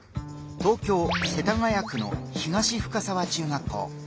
東京・世田谷区の東深沢中学校。